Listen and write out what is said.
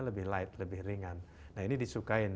lebih light lebih ringan nah ini disukain